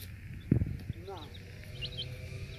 نا.